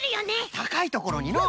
たかいところにのう。